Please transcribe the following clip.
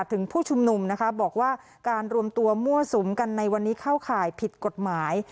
ถึงผู้ชุมนุมนะคะบอกว่าการรวมตัวมั่วสุมกันในวันนี้เข้าข่ายผิดกฎหมาย